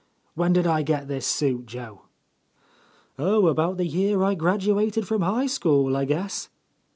When did I get this suit, Joe ?" "Oh, about the year I graduated from High School, I guess!"